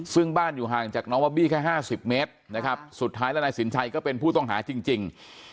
ซึ่งบ้านอยู่ห่างจากน้องบอบบี้แค่๕๐เมตรนะครับสุดท้ายแล้วนายสินชัยก็เป็นผู้ต้องหาจริง